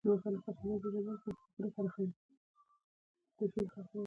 رقیب زما د فکر هڅونه ده